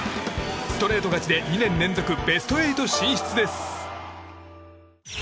ストレート勝ちで２年連続ベスト８進出です。